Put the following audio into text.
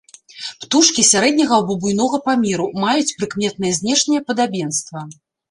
Птушкі сярэдняга або буйнога памеру, маюць прыкметнае знешняе падабенства.